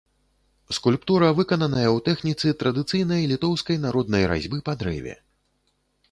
Скульптура выкананая ў тэхніцы традыцыйнай літоўскай народнай разьбы па дрэве.